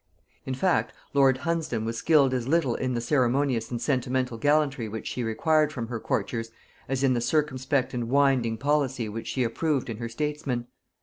In fact, lord Hunsdon was skilled as little in the ceremonious and sentimental gallantry which she required from her courtiers, as in the circumspect and winding policy which she approved in her statesmen.